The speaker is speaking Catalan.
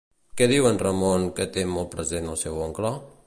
Què diu en Ramon que té molt present el seu oncle?